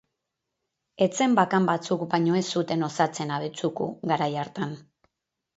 Etxe bakan batzuk baino ez zuten osatzen Abetxuku garai hartan.